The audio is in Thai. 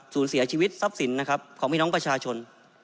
สูญเสียชีวิตทรัพย์สินของพี่น้องปัชชน